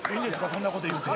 そんなこと言うて。